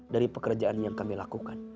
dari pekerjaan yang kami lakukan